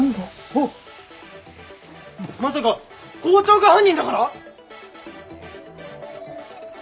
あっまさか校長が犯人だから？